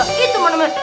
nah dia gitu menurut gue